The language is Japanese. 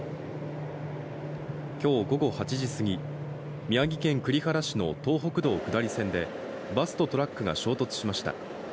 今日午後８時すぎ、宮城県栗原市の東北道下り線でバスとトラックが衝突しました。